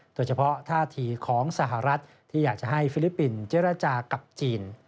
โดยเฉพาะท่าทีของสหรัฐที่อยากจะให้ฟิลิปปินส์เจรจากับจีน